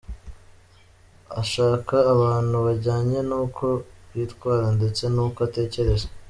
Ashaka abantu bajyanye n’uko yitwara ndetse n’uko atekereza.